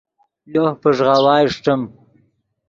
لوہ پݱغاؤا اݰٹیم